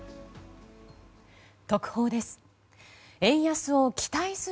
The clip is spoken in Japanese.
特報です。